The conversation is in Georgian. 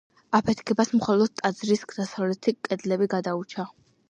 აფეთქებას მხოლოდ ტაძრის დასავლეთი კედლები გადაურჩა.